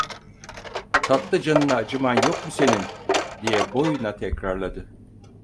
Tatlı canına acıman yok mu senin? diye boyuna tekrarladı.